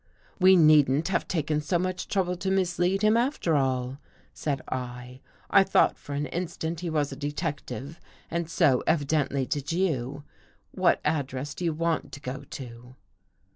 " We needn't have taken so much trouble to mis lead him after all," said I. " I thought for an in stant he was a detective, and so, evidently, did you. What address do you want to go to?